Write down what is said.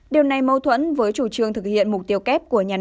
điều này mâu thuẫn với chủ trương thực hiện mục tiêu kép của nhà nước